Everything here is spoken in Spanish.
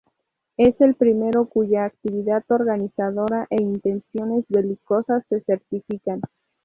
Es el primero cuya actividad organizadora e intenciones belicosas se certifican.